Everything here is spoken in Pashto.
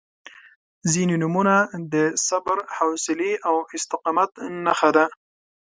• ځینې نومونه د صبر، حوصلې او استقامت نښه ده.